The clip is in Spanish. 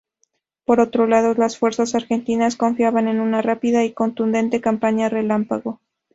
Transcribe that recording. Por otro lado, las fuerzas argentinas confiaban en una rápida y contundente campaña relámpago.